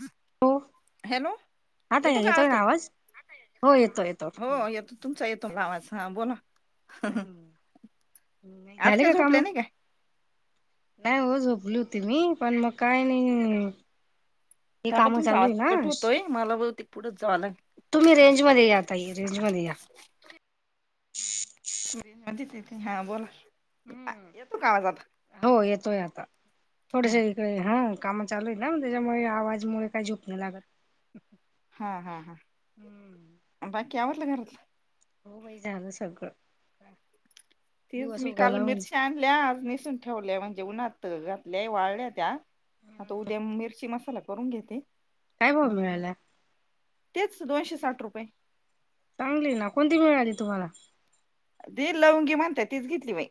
Hello हो hello आता येतो का आवाज येतोय ना ताई. आता हो येतोय येतो येतो का आवाज?? हो येतोय. तुमचा येतो मला आवाज हं बोला. हं नाही आज झाले काय का काम?? झोपल्या नाही काय? नाही हो झोपली होती मी पण मग काय नाही. हे थांबा काम तुमचा चालू आवाज आहे कट ना होतोय मला बहुतेक पुढचं जावं लागेल. तुम्ही रेंजमध्ये या ताई रेंजमध्ये या. [unintelligible] हां बोला. आ, हम्म येतो का आवाज आता? हो येतोय आता हं, थोडेसे हा काम चालू आहेत ना मग तेज्यामुळे आवाजमुळे काही झोप नाही लागत. हा हा हा बाकी आवरलं घरातलं?? हो बाई झालं सगळं. तेच दिवस मी काल उगवला म्हणजे मिरच्या आणल्या आज नेसून ठेवल्या म्हणजे उन्हात घातल्या वाळल्या त्या. आता उद्या मिरची मसाला करून घेते काय भाव म्हणजे मग मिळाला तेच दोनशे साठ रुपय. चांगली ये ना कोणती मिळाली तुम्हाला? दे लवंगी म्हणत्यात तीच घेतली बाई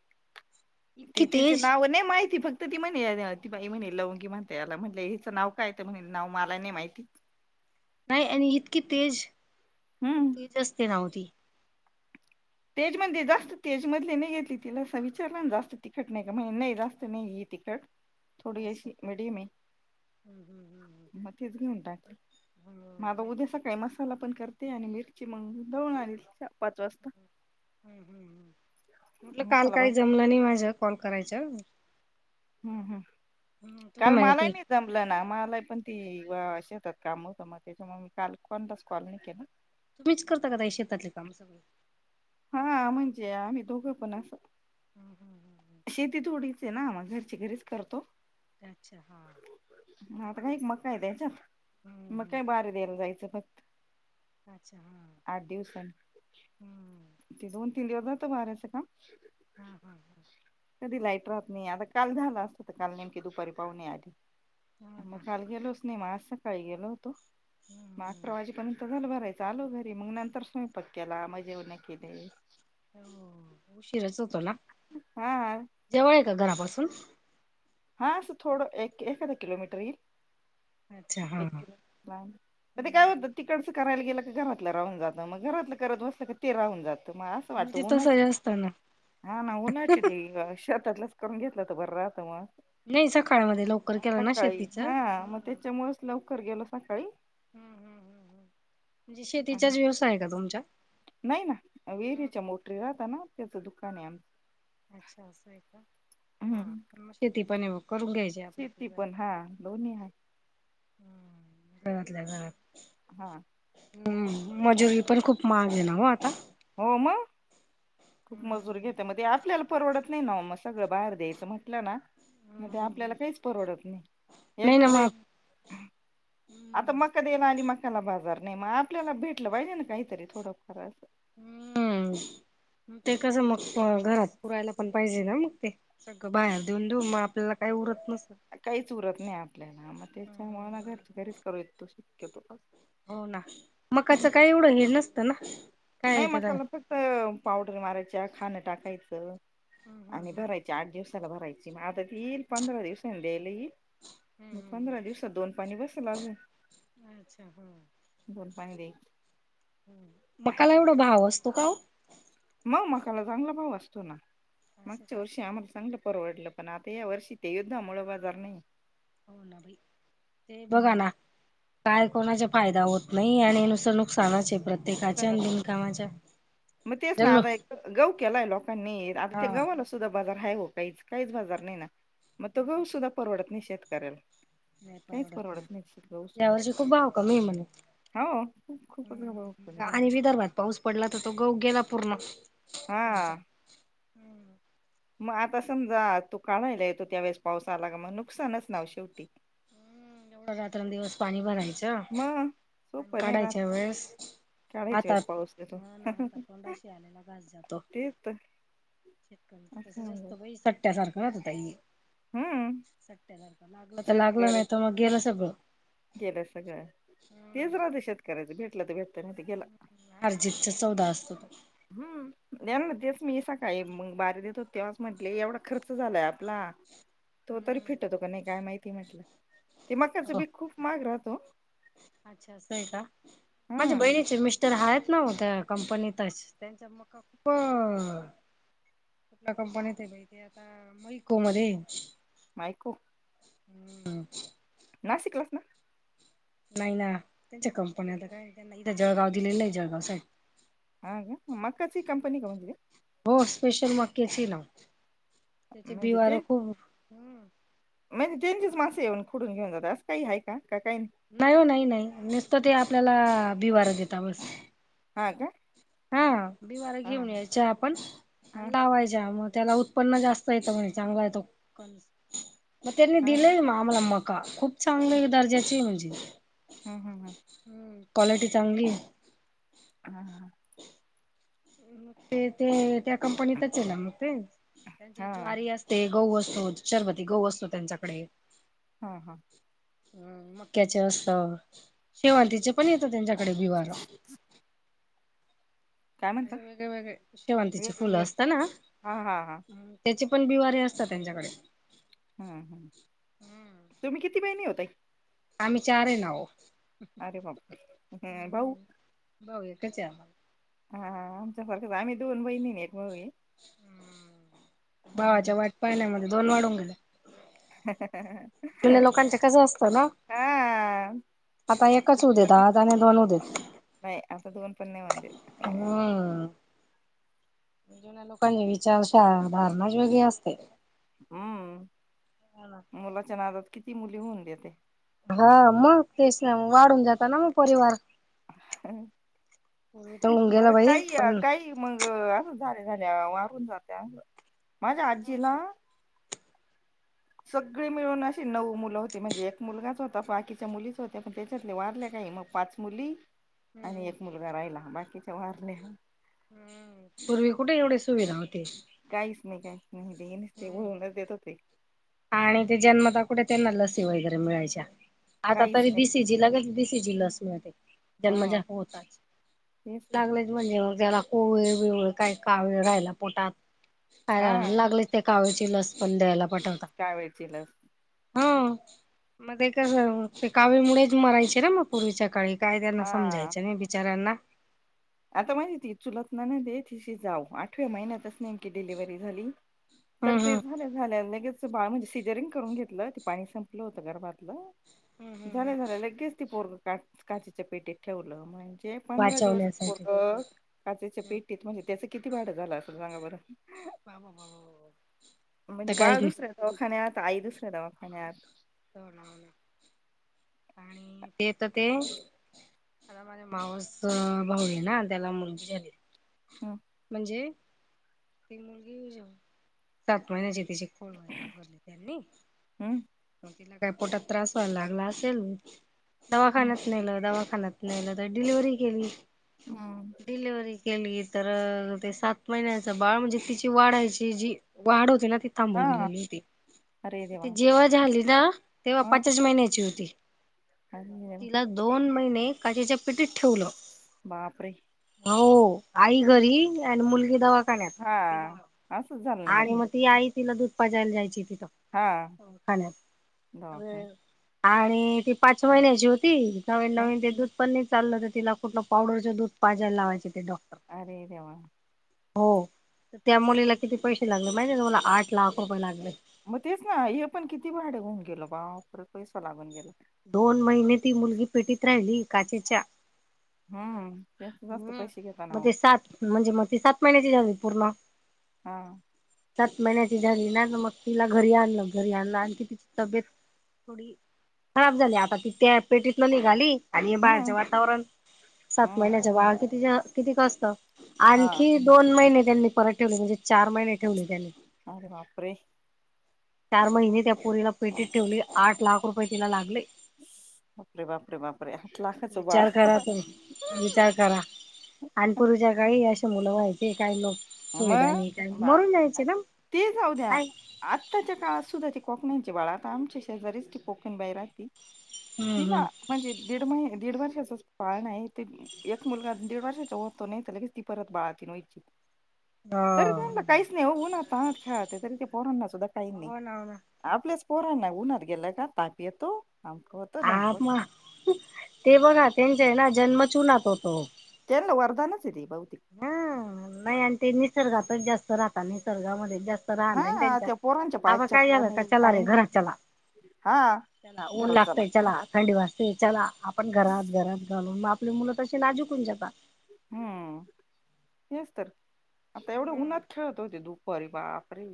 त इतकी तिचे तेज नाव नाही माहिती फ क्त ती म्हणे ती बाई म्हणे लवंगी म्हणता याला म्हटलंय हेच नाव काय? तर म्हणे नाव मलाही नाही माहिती. नाही आणि इतकी तेज खूप हम्म. तेज असते ना ओ ती. तेज मंदे जास्त तेजमधले नाही घेतली तिला सा विचारला ना जास्त तिखट नाही का म्हणून नाही जास्त नाहीये तिखट. थोडी अशी मीडियम आहे हम्म हम्म हम्म म तीच घेऊन टाकली. हम्म म हो आता का उद्या सकाळी मसाला पण करते आणि मिरची मंग दळून आणील पाच वाजता. हम हम् हम म्हटलं काल मसाला काय भात जमलं नाही माझ कॉल करायचं. हम् हम् तुम्ही काल म्हणे मलाही की नाही जमलं ना मला ये पण ती शेतात काम होतं म त्याच्यामुळे मी काल मी कोणलाच कॉल नाही केला. तुम्हीच करता का ताई शेतातली काम सगळी?? हा म्हणजे आम्ही दोघं पण अस हम हम हम. शेती थोडीच ये ना मग घरचे घरीच करतो. अच्छा.. हां. ह आता काही मक्का हाय त्याच्यात हम्म मग हम्म बार द्यायला जायचं फ अच्छा... हां... आठ दिवसांनी ते दोन तीन दिवस भेटतं बाऱ्याचं काम?? हा हा हा... कधी लाईट राहत नाही आता काल झालं असतं तर काल नेमके दुपारी पाहुणे आली. हो मग ना काल गेलोच नाही मग आज सकाळी गेलो होतो मग हम्म अकरा हो. वाजेपर्यंत झालं भराय चं आलो घरी मग नंतर स्वयंपाक केला मग जेवण केली. हो उशीरच होतो ना. हा जवळ हाय का घरापासून? हा असं थोडं एक एखादां किलोमीटर येईल. अच्छा हा एक हा. किलोमीटर लांब ते काय हम्म. होतं तिकडचं करायला गेलं की घरातलं राहून जात. मग घरातलं करत बसल की ते राहून जात. मया आसं मग वाटत ते तसं उन्हाची. जास्त ना हा नाही उन्हाची ते शेतातलच करून घेतलं तर बरं राहत मग. नाई सकाळमध्ये लो सकाळी हा. मग त्याच्यामुळच लवकर गेलो सकाळी. हम हम हम हम म्हणजे शेतीच्याच व्यवसाय हाय का तुमच्या? नाही ना. विहिरीच्या मोटरी राहता ना त्याचं दुकान हाय आमचं. अच्छा. आसं हाय का? हा हम्म. मग शेती पणे करून घ्यायची. हे आप आपल्या शेती घरात पण हा दोन्ही आहे हम. घरातल्या घरात. हां. हम्म. मजुरी पण खूप महाग हाय ना ओ आता. हो‌ मग. खूप मजूरी घेते म ते आपल्याल परवडत नाही ना वो. मग सगळं बाहेर द्यायचं म्हटलं ना. मग ते आपल्याला काहीच परवडत नाही. ना एकदा ते मग आता मका द्यायला आली मकाला बाजार नाही मग आपल्याला भेटलं पाहिजे ना काहीतरी थोडं फार असं. हं. ते कसं मग घरात पुरायला पण पाहिजे ना मग ते. सगळं बाहेर देऊन देऊन मग आपल्याला काय उरत नसतं. काहीच उरत नाही आपल्याला मग त्याच्यामुळे घर घरीच करू येत तो शक्यतो. हो ना. मग असं काय एवढं हे नसतं ना. काय नाही त्याला मकाला फक्त पावडर मारायच्या. खाणं टाकायचं. आणि भरायची आठ दिवसाला भरायची. मग आता ती येईल पंधरा दिवसांनी द्यायला येईल. मग पंधरा दिवसांत दोन पाणी बसल अजून. अच्छा हा. दोन पाणी दे मकाला एवढं भाव असतो का हो? मग मकाला चांगला भाव असतो ना. असं मागच्या का वर्षी आम्हाला चांगल परवडलं पण आता या वर्षी ते युद्धा मुळं बाजार नाही. हो ना भाई ते. बघा हम्म ना. काय कोणाचा फायदा होत नाही आणि नुसतं नुकसानाच आहे. प्रत्येकाच्या आणि नुकसानच बिनकामाच्या. मग तेच ना जल्लो आता एक गहू केलाय लोकांनी आता ते हा गव्हालाच सुद्धा बाजार हाय हो काहीच काहीच बाजार नाही ना. मग तो गहू सुद्धा परवडत नाही शेतकर्याला. नाही काहीच ना परवडत नाही गहू या सुद्धा. वर्षी खूप भाव कमी आहे म्हणे हो खूप खूपच ग गहू कमी झालाय आणि विदर्भात पाऊस पडला तर तो गहू गेला पूर्ण. त्यांचा हा. हम्म मग आता समजा तो काढायला येतो त्या वेळेस पाऊस आला का मग नुकसानच ना हो शेवटी. रात्रनं दिवस पाणी भरायचं. मग आणि सोपं नाही राहत काढायच्या वेळेस काढायच्या हातात वेळेस पाऊस येतो तोंडाशी आलेला घास जातो. तेच तर शेतकऱ्याच असं तसं म्हणलं जास्त बाई सट्ट्यासारखं होत ताई. हम्म सट्ट्या सारखं लागलं तर लागलं नाही शेतकऱ्याच तर मग गेलं सगळं. गेलं सगळं. तेच राहतं शेतकऱ्यांचं भेटलं तर भेटतं नाही तर गेलं. हारजीतचा सौदा असतो तो. हूं. यांना तेच मी सकाळी बारी देत होते तेव्हाच म्हंटले एवढा खर्च झालाय आपला तो तरी हम्म. फिटतो का नाही काय माहिती म्हटलं, ते मक्याचं हो बी खूप महाग राहतं वो. अच्छा! असं आहे का, माझ्या बहिणीचे मिस् टर आहेत ना ओ, त्या कंपनीत आहेत, त्यांच्या मका प कुठल्या कंपनीत आहे बाई ते आता, मैको मध्ये मायको हं! नाशिकलाच ना! नाही ना, त्यांच्या कंपन्या आता काय, त्यांना इथं जळगाव दिलेलं नाही, जळगाव साईड हा का मकाची कंपनी का म्हणले? हो! स्पेशल मक्याची ना, त्याचे म्हणजे ते बिवारं खूप हम्म. म्हणजे त्यांचेच माणसे येऊन खोडून घेऊन जातात. असं काही आहे का, का काही नाही हो, नाही, नाही नुसतं ते आपल्याला बिवारं देता बस. हा, का! हा, बिवार हा घेऊन यायच्या आपण, आणि हा लावायच्या मग त्याला उ उत्पन्न जास्त येतं म्हणे, चांगला आहे तो कणीस, मग त्यांनी हा हा दिलेयं ना मग आम्हांला मका, खूप चांगली दर्जाचे आहे, म्हणजे ती हां, हां, हां हं, क्वालिटी चांगली आहे. हा, हा, हा मग ते, ते, त्या कंपनीतच हाय ना मग ते, त्यांच्यात हा ज्वारी अस ते, गहू असतो, चरवती गहू असतो, त्यांच्याकडे हां, हां हं, मक्याचे असतं, शेवंतीचे पण येतं त्यांच्याकडे बिवारं [unintelligible] काय म्हणता असे वेगळे, वेगळे शेवंतीची फुलं वेगवेगळे असत ना हा हा हा त्याची पण बिवारी असतात, त्यांच्याकडे- हं, हं तुम्ही किती बहिणी ओ ताई? आम्ही चार हाय ना ओ, अरे बापरे! हं भाऊ? हम्म भाऊ एकच हाय आम्हाला. हा, हा आमच्यासारखंच, आम्ही दोन बहिणी, एक भाऊ हम्म. भावाच्या वाट पाहण्यामध्ये दोन वाढून गेल्या. [inaudible] जुन्या लोकांच कसं असतं ना, हा आता एकच होऊ देतं, आज आणि दोन होऊ देतं. नाही. आता दोन पण नाही होऊन देत. हम्म! जुन्या लोकांचे विचारशहा धारणाच वेगळी असते. हम्म! मुलाच्या नादात किती मुली होऊन देते. हो! मग तेच ना, वाढून जातो ना मग परिवार. पूर्वी तर होऊन गेला बरं बाई काही, पण काही मग असं झाल्या, झाल्या वारून जाते असं, माझ्या आजीला सगळी मिळून अशी नऊ मुलं होती. म्हणजे एक मुलगाच होता, बाकीच्या मुलीच होत्या, पण त्याच्यातले वारल्या काही मग पाच मुली आणि हम्म एक मुलगा राहिला बाकीच्या वारल्या हम्म! पूर्वी कुठे एवढी सुविधा होती. काहीच नाही काहीच नाही हे नुसते होऊनच देत होते. आणि ते जन्मता कुठे त्यांना लसी वगैरे मिळायच्या. आता काहीच तरी नाही बी सी जी लगेच बी सी जी लस मिळते. हा जन्मजातं होताच, तेच तर लागले म्हणजे मग त्याला कोविल बीविळ काही कावेळ राहायला पोटात, का हा लागले ते काविळ ची लस पण द्यायला पाठवतात. कावेळ ची लस. हा म ते कस ते कावीळ मुळेच मरायचे ना मग पूर्वीच्या काळी. काय त्याना हा समजायचं नाही बिचाऱ्याना. आता माझी ती चुलत नणंद ये तिची जाऊ आठव्या महिन्यातच नाही की डिलिव्हरी झाली, तर ते हम्म झाल्या- झाल्या लगेच तिचं बाळ म्हणजे सिजरिंग करून घेतलं ते पाणी संपलं होतं गरभातलं हम्म झालं- झालं लगेच ते पोरग का काचेच्या पेटीत ठेवलं, म्हणजे पंधरा दिवस वाचवण्यासाठी अ काचेच्या पेट्टीत म्हणजे त्याचं किती भांड झालं असल सांगा बरं? बाबा बाबा बाबा. म्हणजे बाळ दुसऱ्या दवाखान्यात, आई दुसऱ्या दवाखान्यात. आणि ते येत ते आता माझा मावस भाऊ ये ना त्याला मुलगी झाली हम्म म्हणजे ती मुलगी सात महिन्याची त्याची वगैरे भरली त्यांनी. हम? म तिला काय पोटात त्रास व्हायला लागला असेल हम्म दवाखान्यात नेल दवाखान्यात नेल तर डिलिव्हरी ही केली. हम्. डिलिव्हरी केली तर ते सात महिन्याच बाळ म्हणजे तिची वाढायची जी वाढ होते ना ती थांबून हा गेलेली होती, अरे देवा ते जेव्हा झाली तेव्हा हा पाचच महिन्याची होती, अरे देवा तिला दोन महिने काचेच्या पेटीत ठेवलं, बापरे हो आई घरी आणि मुलगी दवा हा खाण्यात, असंच झालं ना मग आणि ते म ती आई तिला दूध पाजायला जायची तिथं, हा खाण्यात. [unintelligible] आणि ती पाच महिन्याची होती नवीन हं नवीन ते दूध पन्नी चाललं तर तिला कुठलं पावडरच दूध पाजयला लावायचं ते डॉक्टर. अरे देवा. हो, त्या मुलीला किती पैसे लागले माहिती तुम्हाला, आठ लाख रुपये लागले. मग तेच ना हे पण किती भाड हुन गेल बा पर पैसा लागून गेला. दोन महिने ती मुलगी पेटीत राहिली काचेच्या हम्. हम् मग ते सात, म्हणजे म टी सात महिन्याची झाली पूर्ण हां. सात महिन्याची झाली ना तर मग तिला घरी आणलं, घरी आणलं आणखी तिची तब्येत खराब झाली आता ती, त्या पेटीतन निघाली आणि हे हम्म बाहेरचे वातावरण सात हम्म महिन्याच्या बाळाक किती किती क असत, हा आणखी दोन महिने त्यांनी परत ठेवले, म्हणजे चार महिने ठेवले त्यांनी. अरे बापरे. चार महिने त्या पोरीला पेटीत ठेवले, आठ लाख रुपये तिला लागले. बापरे बापरे बापरे! आठ लाखाचं विचार बाळ. करा तुम्ही विचार करा आणि पूर्वीच्या काही असे मुलं व्हायचे काही लोक सुविधा मग नाही काही नाही बाप मरून न्यायचे ना मंग, ते जाऊ द्या काय? आत्ताच्या काळात सुद्धा ती कोकणीची बाळ आता आमच्या शेजारीच ती कोकिन बाई राहती. हम्म तिला हम्म म्हणजे दीड महि दीड वर्षाचच बाळ नाही ते एक मुलगा दीड वर्षाचा होतो नाही, तर लगेच ती परत बाळातीन व्हायची. तरी हो त्यांला काहीच नाही हो उन्हा तानात खेळाते तरी त्या पोरांना सुद्धा काही नाही. हो ना हो ना आपल्याच पोरांना उन्हात गेला का ताप येतो आमक हो आ मा ते बघा त्यांच हे ना जन्मच उन्हात होतो. त्यांना वरदानच आहे ते बहुतेक. हम्म नाही आणि ते निसर्गातच जास्त राहतात, निसर्गामध्ये जास्त राहणं आहे ना हा त्यांचं त्या पोरांच्या आबा पायात काय चपला झालं का नाही चला काही रे नाही घरात चला. हा चला ऊन लागतय चला. थंडी वाजते चला आपण घरात घरात घालून मग आपली मुलं तशी नाजुक होऊन जाता. हम्म तेच तर, आता एवढ्या उन्हात खेळत होते दुपारी बापरे!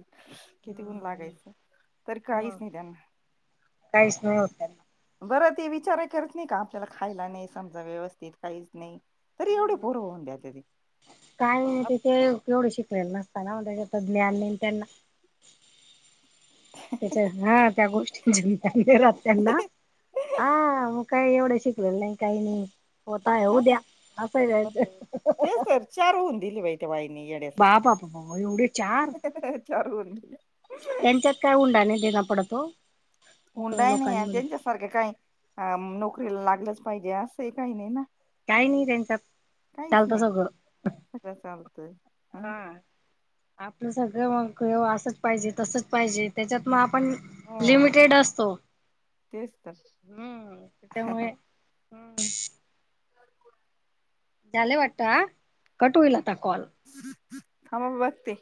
किती उन लागायचं, तरी काहीच मग नाही त्यांना. काहीच नाही होत त्यांना बरं ते विचार ही करत नाही का आपल्याला खायला नाही समजा व्यवस्थित काहीच नाही. तरी एवढे पोर होऊन देत्या ते काही नाही ते ते एवढं शिकलेलं नसता ना ओ त्याच्यातलं एवढं ज्ञान नाही न त्यांना. हा त्या गोष्टीत जी ज्ञान नाही राहत त्यांना आ काही एवढं शिकलेलं नाही काही नाही, होतयं आहे होऊ द्या, हा असं आहे तेच त्याचं. तर चार होऊन दिले बाईंनी त्या बाबा बाबा एवढे चार येड्यासारखे, चार होऊन दिले. त्यांच्यात काही हुंडा नाही देन पडत ओ. हुंडाही नाही आणि त्यांच्यासारखं काय नोकरीला लागलंच पाहिजे असंही काही नाही ना. काही नाही त्यांच्यात काहीच चालत नाही सगळं सगळं चालतंय हं. हा आपलं सगळं मग असंच पाहिजे तसच पाहिजे त्याच्यात मग आपण हो लिमिटेड असतो, तेच तर हम्म त्याच्यामुळे हम्म नळकुड. झालं वाटत आ, कट होईल आता कॉल. थांमा मी बघते.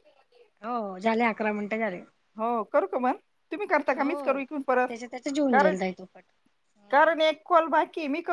हो झाले अकरा मिनटं झाले. हो करू का बंद, तुम्ही करता का? मीच करू हो इथून परत. त्याच्या त्याच्या जेऊन कारण जाईल ताई तो कट हम्म. कारण एक काॅल बाकी आहे, मी करु